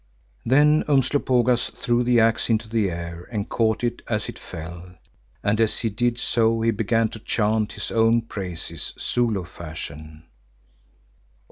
Then Umslopogaas threw the axe into the air and caught it as it fell, and as he did so began to chant his own praises Zulu fashion.